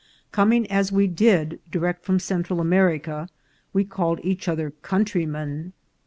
Coming, as we did, direct from Central America, we called each other countrymen.